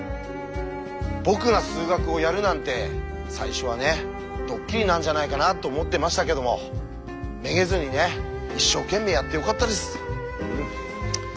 僕が数学をやるなんて最初はねドッキリなんじゃないかなと思ってましたけどもめげずにね一生懸命やってよかったです。